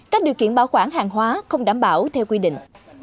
các điều kiện bảo quản hàng hóa không đảm bảo theo quy định